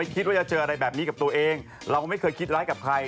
เป็นแบบนี้กับตัวเองเราไม่เคยคิดร้ายกับใคร